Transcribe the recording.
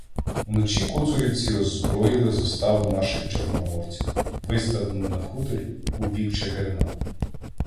Уночі коцурівці роззброїли заставу наших чорноморців, виставлену на хуторі у бік Чигирина.